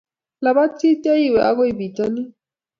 Lapat sityo iwe akoi bitonin